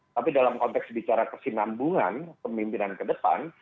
tapi dalam konteks bicara kesinambungan pemimpinan ke depan